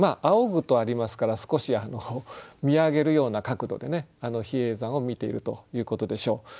「仰ぐ」とありますから少し見上げるような角度で比叡山を見ているということでしょう。